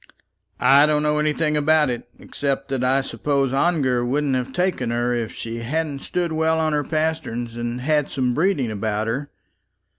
"I don't know anything about it, except that I suppose Ongar wouldn't have taken her if she hadn't stood well on her pasterns, and had some breeding about her.